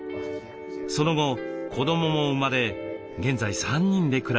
その後子どもも生まれ現在３人で暮らしています。